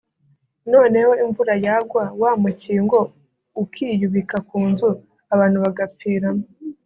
noneho imvura yagwa wa mukingo ukiyubika ku nzu abantu bagapfiramo